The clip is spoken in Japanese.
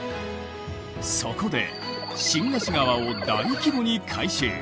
そこで新河岸川を大規模に改修。